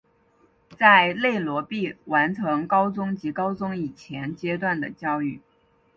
在内罗毕完成高中及高中以前阶段的教育。